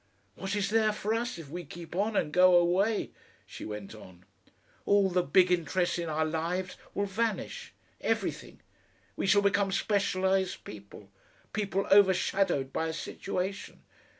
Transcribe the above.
"What is there for us if we keep on and go away?" she went on. "All the big interests in our lives will vanish everything. We shall become specialised people people overshadowed by a situation.